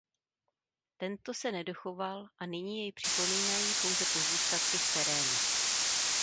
Tento se nedochoval a nyní jej připomínají pouze pozůstatky v terénu.